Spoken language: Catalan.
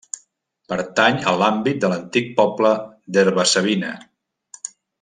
Pertany a l'àmbit de l'antic poble d'Herba-savina.